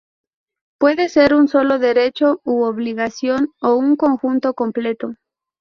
Puede ser un solo derecho u obligación, o un conjunto completo.